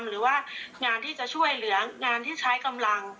หรือว่างานที่จะช่วยเหลืองานที่ใช้กำลัง